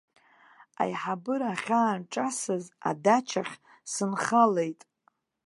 Аиҳабыра ахьаанҿасыз адачахь сынхалеит.